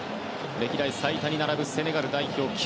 歴代最多に並ぶセネガル代表